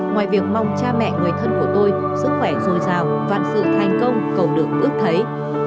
ngoài việc mong cha mẹ người thân của tôi sức khỏe dồi dào vạn sự thành công cầu được ước thấy